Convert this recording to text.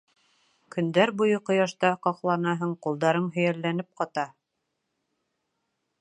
Көндәр буйы ҡояшта ҡаҡланаһың, ҡулдарың һөйәлләнеп ҡата.